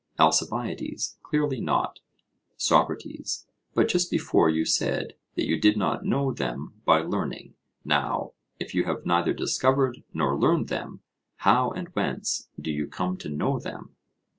ALCIBIADES: Clearly not. SOCRATES: But just before you said that you did not know them by learning; now, if you have neither discovered nor learned them, how and whence do you come to know them?